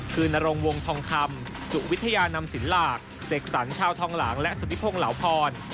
คือนรงวงทองคำสุวิทยานำสินหลากเสกสรรชาวทองหลางและสุธิพงศ์เหลาพร